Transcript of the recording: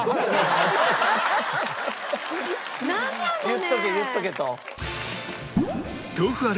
言っとけ言っとけと。